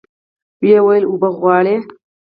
ويې ويل اوبه غواړي.